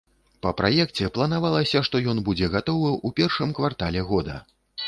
Па праекце планавалася, што ён будзе гатовы ў першым квартале года.